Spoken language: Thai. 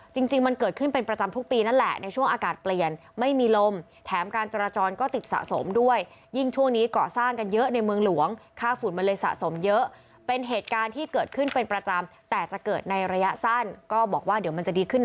จริงมันเกิดขึ้นเป็นประจำทุกปีนั่นแหละในช่วงอากาศเปลี่ยนไม่มีลม